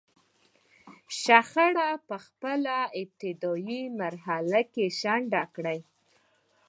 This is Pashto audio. شخړه په خپله ابتدايي مرحله کې شنډه کړي.